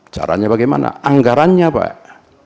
caranya bagaimana anggarannya pak